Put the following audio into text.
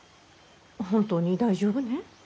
本当に大丈夫ね？